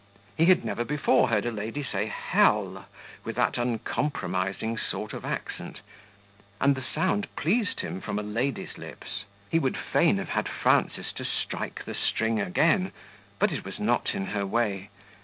He had never before heard a lady say "hell" with that uncompromising sort of accent, and the sound pleased him from a lady's lips; he would fain have had Frances to strike the string again, but it was not in her way.